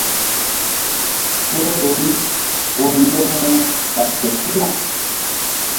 Peleri ur ŋgermu ɓay fe su̧na.